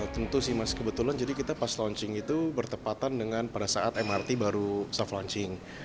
tentu sih mas kebetulan jadi kita pas launching itu bertepatan dengan pada saat mrt baru self launching